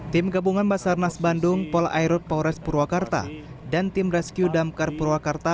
tim gabungan basarnas bandung polairut polres purwakarta dan tim rescue damkar purwakarta